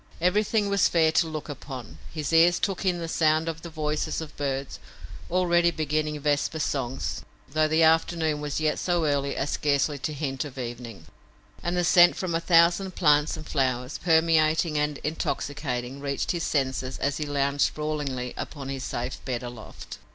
Everything was fair to look upon. His ears took in the sound of the voices of birds, already beginning vesper songs, though the afternoon was yet so early as scarcely to hint of evening, and the scent from a thousand plants and flowers, permeating and intoxicating, reached his senses as he lounged sprawlingly upon his safe bed aloft.